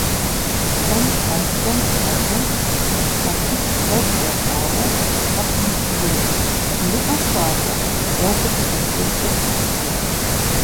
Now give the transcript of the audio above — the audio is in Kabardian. КӀуэм-лъэм, кӀуэм-лъэурэ, сыхьэтитӀ гъуэгу якӀуауэ, лӀыфӀым жеӀэ: - ИӀэт, щӀалэ, гъуэгур къызэпыупщӀыт!- жи.